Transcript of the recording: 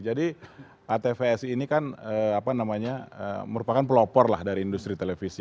jadi atvsi ini kan merupakan pelopor lah dari industri televisi